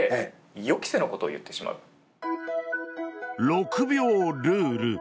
６秒ルール。